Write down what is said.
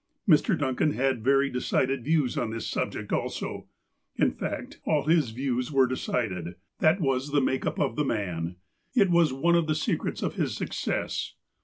Mr. Duncan had very decided views on this subject also. In fact, all his views were decided. That was TROUBLES BREWING 253 the make up of tlie man. It was one of the secrets of his success.